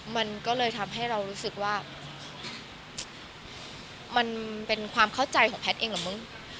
มันก็เลยทำให้เรารู้สึกว่ามันเป็นความเข้าใจของแพทย์เองเหรอมึง